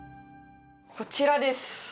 こちらです。